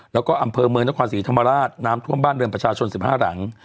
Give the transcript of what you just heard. แล้วก็อำเภอเมืองนครศรีธรรมราชน้ำท่วมบ้านเรือนประชาชน๑๕หลัง